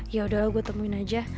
yaudah gua temuin aja